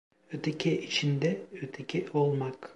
Öteki İçinde "Öteki" olmak